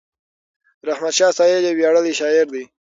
رحمت شاه سایل یو ویاړلی شاعر دی.